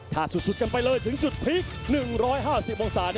ถ้าสุดกันไปเลยถึงจุดพลิก๑๕๐องศา